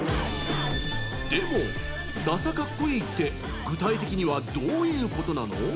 でも「ダサかっこいい」って具体的には、どういうことなの？